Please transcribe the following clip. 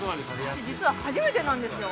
◆私、実は初めてなんですよ。